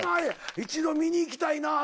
一度見に行きたいなぁ。